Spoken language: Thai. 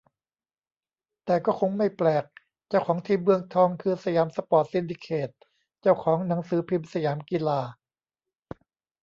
แต่ก็คงไม่แปลก เจ้าของทีมเมืองทอง คือ สยามสปอร์ต ซินดิเคต เจ้าของหนังสือพิมพ์สยามกีฬา